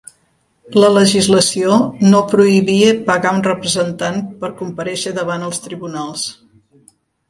La legislació no prohibia pagar un representant per comparèixer davant els tribunals.